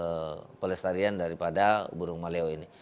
ini adalah pertanyaan tentang pelestarian daripada burung maleo ini